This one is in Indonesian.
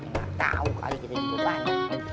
gak tau kali kita dikutanya